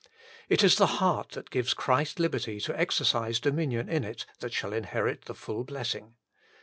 It is the heart that gives Christ liberty to exercise dominion in it that shall inherit the full blessing.